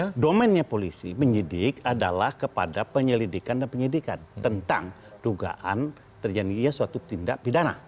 nah domennya polisi penyidik adalah kepada penyelidikan dan penyidikan tentang dugaan terjadinya suatu tindak pidana